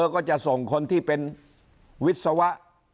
ก็จะส่งคนที่เป็นวิศวะ